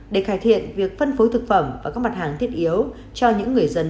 để cải thiện việc phân phối thực phẩm và các mặt hàng thiết yếu cho những người dân